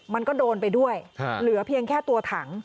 มันก็โดนไปด้วยเหลือเพียงแค่ตัวถัง